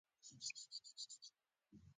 صباح الخیر یا اخی.